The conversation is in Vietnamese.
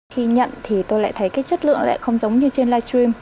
khi nhận thì tôi lại thấy cái chất lượng lại không giống như trên live stream